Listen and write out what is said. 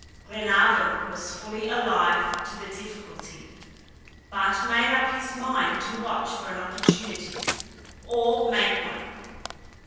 Glenarvan was fully alive to the difficulty, but made up his mind to watch for an opportunity, or make one.